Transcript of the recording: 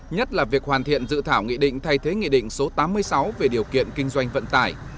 nhất là việc hoàn thiện dự thảo nghị định thay thế nghị định số tám mươi sáu về điều kiện kinh doanh vận tải